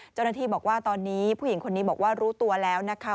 เจ้าหน้าที่บอกว่าตอนนี้ผู้หญิงคนนี้บอกว่ารู้ตัวแล้วนะคะ